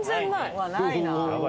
うわないな！